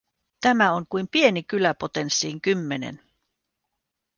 Tämä on kuin pieni kylä potenssiin kymmenen.